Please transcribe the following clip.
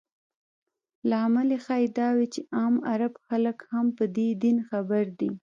لامل یې ښایي دا وي چې عام عرب خلک هم په دین خبر دي.